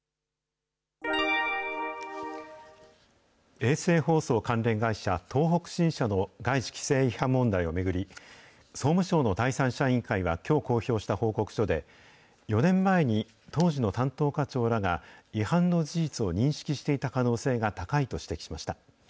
衛星放送関連会社、東北新社の外資規制違反問題を巡り、総務省の第三者委員会はきょう公表した報告書で、４年前に、当時の担当課長らが違反の事実を認識していた可能性が高いと指摘しました。